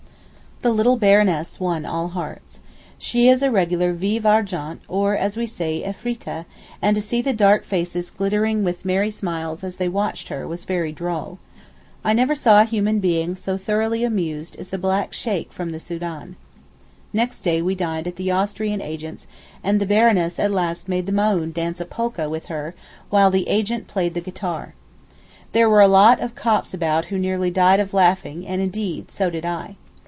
The little Baroness won all hearts. She is a regular vif argent or as we say Efreeteh and to see the dark faces glittering with merry smiles as they watched her was very droll. I never saw a human being so thoroughly amused as the black Sheykh from the Soudan. Next day we dined at the Austrian agent's and the Baroness at last made the Maōhn dance a polka with her while the agent played the guitar. There were a lot of Copts about who nearly died of laughing and indeed so did I.